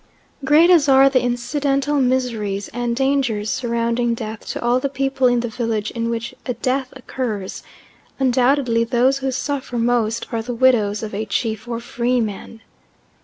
Great as are the incidental miseries and dangers surrounding death to all the people in the village in which a death occurs, undoubtedly those who suffer most are the widows of a chief or free man.